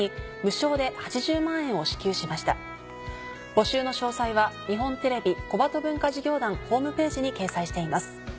募集の詳細は日本テレビ小鳩文化事業団ホームページに掲載しています。